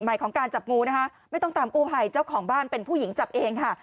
ของการจับงูนะคะไม่ต้องตามกู้ภัยเจ้าของบ้านเป็นผู้หญิงจับเองค่ะ